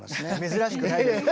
珍しくないです。